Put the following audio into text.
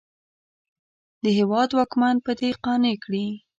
د هېواد واکمن په دې قانع کړي.